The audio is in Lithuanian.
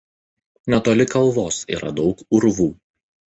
Netoli kalvos yra daug urvų.